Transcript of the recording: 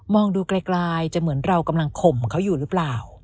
ดูไกลจะเหมือนเรากำลังข่มเขาอยู่หรือเปล่า